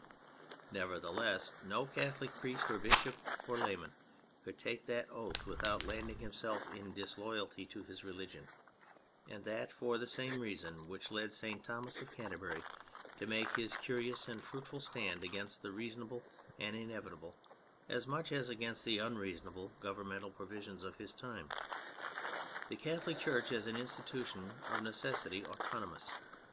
Nevertheless, no Catholic priest or bishop or layman could take that oath without landing himself in disloyalty to his religion; and that for the same reason which led St. Thomas of Canterbury to make his curious and fruitful stand against the reasonable and inevitable, as much as against the un reasonable, governmental provisions of his time. The Catholic Church is an institution of necessity autonomous.